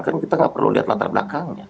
kan kita nggak perlu lihat latar belakangnya